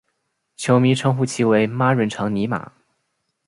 球迷称呼其为孖润肠尼马。